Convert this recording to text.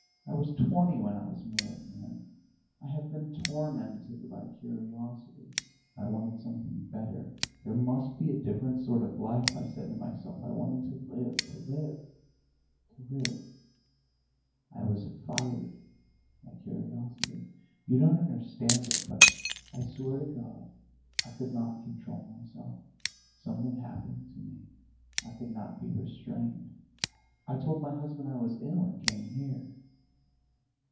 I was twenty when I was married to him. I have been tormented by curiosity; I wanted something better. 'There must be a different sort of life,' I said to myself. I wanted to live! To live, to live!... I was fired by curiosity ... you don't understand it, but, I swear to God, I could not control myself; something happened to me: I could not be restrained. I told my husband I was ill, and came here....